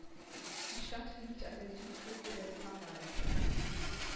Die Stadt liegt an der Südküste der Pfarrei.